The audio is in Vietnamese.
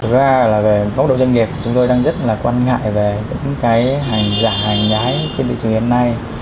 thứ ba là về mốc độ doanh nghiệp chúng tôi đang rất là quan ngại về những cái hành giả hành nhái trên thị trường hiện nay